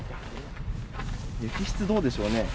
雪質、どうでしょうね。